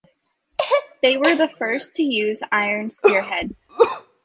They were the first to use iron spearheads.